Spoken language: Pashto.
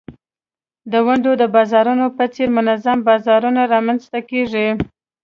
د ونډو د بازارونو په څېر منظم بازارونه رامینځته کیږي.